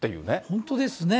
本当ですね。